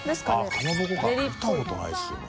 △かまぼこか見たことないですよね。